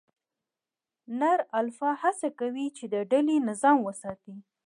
نر الفا هڅه کوي، چې د ډلې نظم وساتي.